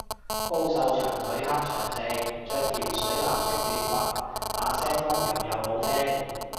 高瘦長腿黑長直，着條水藍色短裙，把聲溫柔又好聽